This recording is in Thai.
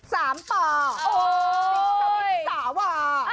ติดสวิตช์๓ว่ะ